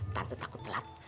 tante takut telat